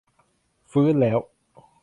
ฟื้นแล้ว